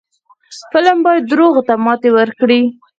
فلم باید دروغو ته ماتې ورکړي